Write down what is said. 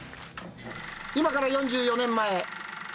今から４４年前。